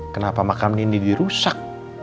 kenapa makamnya nindi dirusak